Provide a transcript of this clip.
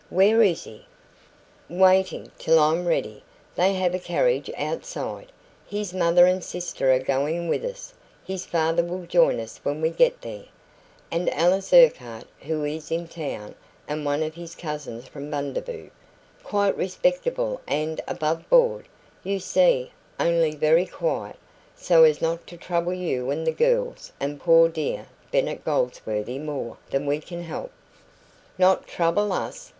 "Where is he?" "Waiting till I'm ready. They have a carriage outside. His mother and sister are going with us. His father will join us when we get there. And Alice Urquhart, who is in town, and one of his cousins from Bundaboo quite respectable and above board, you see, only very quiet, so as not to trouble you and the girls and poor dear Bennet Goldsworthy more than we can help " "Not trouble us!"